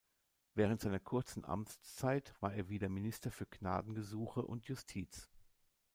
Während seiner kurzen Amtszeit war er wieder Minister für Gnadengesuche und Justiz.